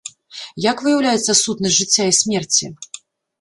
Як выяўляецца сутнасць жыцця і смерці?